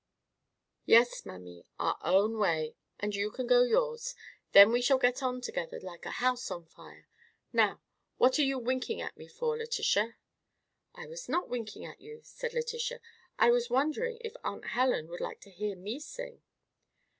"Yes, mammy, our own way; and you can go yours. Then we shall get on together like a house on fire. Now, what are you winking at me for, Letitia?" "I was not winking at you," said Letitia. "I was wondering if Aunt Helen would like to hear me sing."